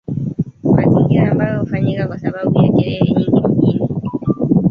mazingira ambayo hufanyika kwa sababu ya kelele nyingi mijini